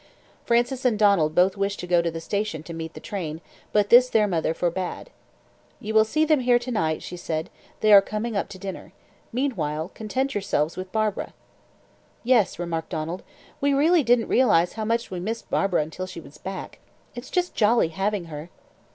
Frances and Donald both wished to go to the station to meet the train, but this their mother forbade. "You will see them here to night," she said; "they are coming up to dinner. Meanwhile, content yourselves with Barbara." "Yes," remarked Donald; "we really didn't realise how much we missed Barbara until she was back. It's just jolly having her."